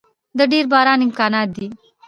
د ډیر باران امکانات دی